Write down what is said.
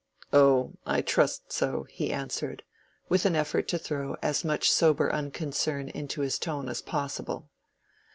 "Oh, I trust so," he answered, with an effort to throw as much sober unconcern into his tone as possible!